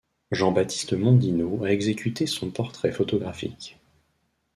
Jean-Baptiste Mondino a exécuté son portrait photographique.